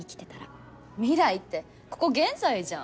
未来ってここ現在じゃん。